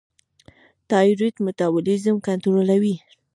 تایرویډ میټابولیزم کنټرولوي.